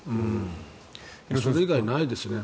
それ以外ないですね。